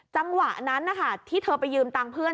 จังหวะนั้นนะคะที่เธอไปยืมตังค์เพื่อน